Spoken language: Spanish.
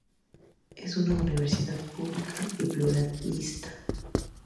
Es una universidad pública y pluralista.